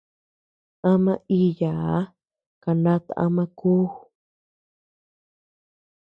Ama iʼyaa kanat ama kuu.